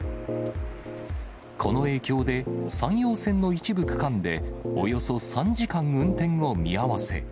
この影響で、山陽線の一部区間で、およそ３時間運転を見合わせ。